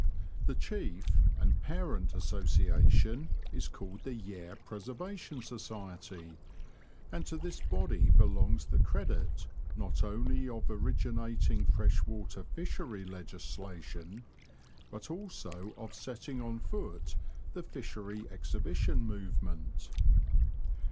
The chief, and parent, association is called the Tare Preservation Society, and to this body belongs the credit not only of originating fresh water fishery legislation, but also of setting on foot the fishery exhibition movement.